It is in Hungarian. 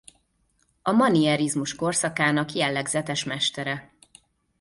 A manierizmus korszakának jellegzetes mestere.